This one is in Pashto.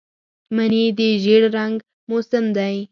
مني د زېړ رنګ موسم دی